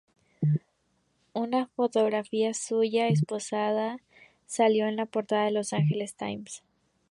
Una fotografía suya esposado salió en la portada de "Los Angeles Times".